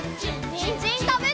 にんじんたべるよ！